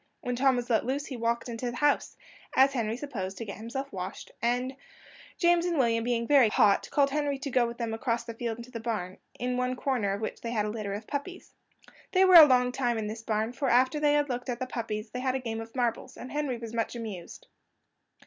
When Tom was let loose, he walked away into the house, as Henry supposed, to get himself washed; and James and William, being very hot, called Henry to go with them across the field into the barn, in one corner of which they had a litter of puppies. They were a long time in this barn, for after they had looked at the puppies they had a game at marbles, and Henry was much amused.